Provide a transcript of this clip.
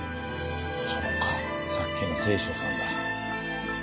そうかさっきの正鐘さんだ。